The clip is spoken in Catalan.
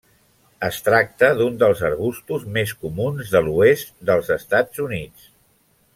Es tracta d'un dels arbustos més comuns de l'oest dels Estats Units.